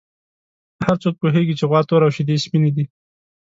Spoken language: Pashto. هر څوک پوهېږي چې غوا توره او شیدې یې سپینې دي.